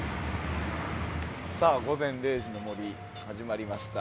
「午前０時の森」始まりました。